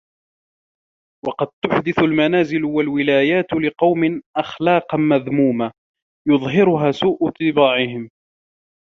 وَقَدْ تُحْدِثُ الْمَنَازِلُ وَالْوِلَايَاتُ لِقَوْمٍ أَخْلَاقًا مَذْمُومَةً يُظْهِرُهَا سُوءُ طِبَاعِهِمْ